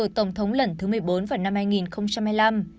tổng thống lần thứ một mươi bốn vào năm hai nghìn hai mươi năm